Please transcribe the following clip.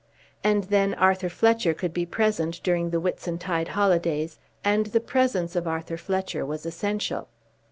And then Arthur Fletcher could be present during the Whitsuntide holidays; and the presence of Arthur Fletcher was essential.